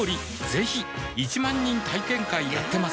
ぜひ１万人体験会やってます